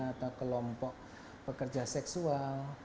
atau kelompok pekerja seksual